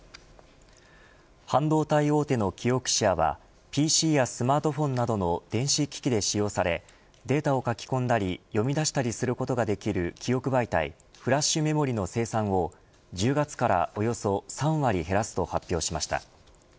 半導体大手のキオクシアはＰＣやスマートフォンなどの電子機器で使用されデータを書き込んだり読み出したりすることができる記憶媒体フラッシュメモリの生産を１０月から、およそ３割減らすと発表しました。